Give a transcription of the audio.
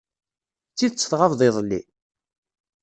D tidet tɣabeḍ iḍelli?